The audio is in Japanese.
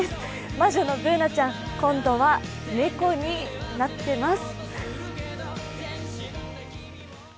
魔女のＢｏｏｎａちゃん今度は猫になってます。